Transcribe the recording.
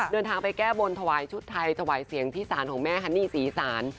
เดินทางไปแก้บนถวายชุดไทยถวายเสียงที่ศาลของแม่ฮันนี่ศรีศาล